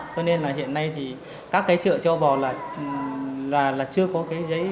cho nên hiện nay các chợ châu bò chưa có giấy